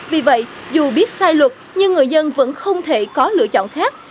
vì vậy dù biết sai luật nhưng người dân vẫn không thể có lựa chọn khác